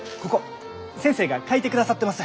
先生が書いてくださってます！